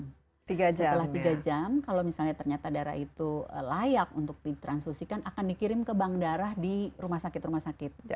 setelah tiga jam kalau misalnya ternyata darah itu layak untuk ditransfusikan akan dikirim ke bank darah di rumah sakit rumah sakit